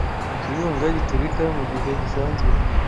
Ikirunga giturika mugihe gisanzwe.